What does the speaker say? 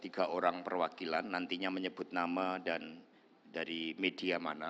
tiga orang perwakilan nantinya menyebut nama dan dari media mana